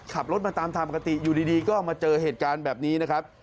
ขับรถมาตามทางปกติอยู่ดีก็มาเจอเหตุการณ์แบบนี้นะครับ